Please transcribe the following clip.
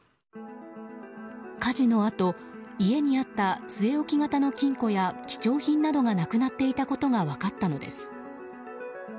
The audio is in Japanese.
火事のあと、家にあった据え置き型の金庫や貴重品などがなくなっていたことが分かったのです。